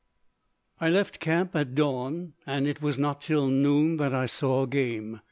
I left camp at dawn and it was not till noon that I saw game.